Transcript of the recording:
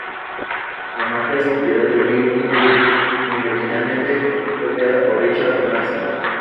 La marca es propiedad del Virgin Group, aunque originalmente fue creada por Richard Branson.